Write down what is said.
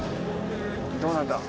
どうなんだ？